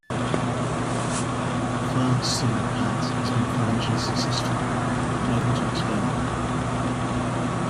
FaSinPat has been financially successful and able to expand.